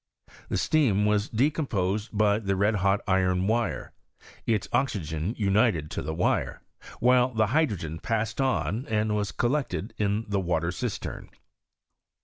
The steam was decomposed by the red hot iron wire^ its oxygen united to the wire, while the hydrogen paBscd on and was collected in the water cistern.